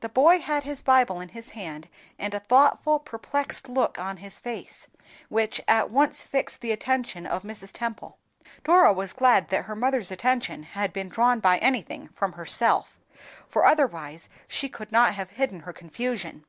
The boy had his Bible in his hand, and a thoughtful, perplexed look on his face, which at once fixed the attention of Mrs. Temple. Dora was glad that her mother's attention should be drawn by anything from herself, for otherwise she could not have hidden her confusion.